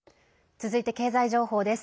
続いて、経済情報です。